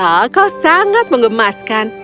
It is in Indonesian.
hahaha kau sangat mengemaskan